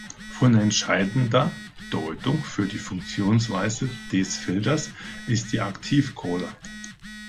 Von entscheidender Bedeutung für die Funktionsweise des Filters ist die Aktivkohle.